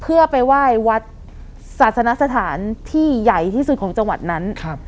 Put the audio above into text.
เพื่อไปไหว้วัดศาสนสถานที่ใหญ่ที่สุดของจังหวัดนั้น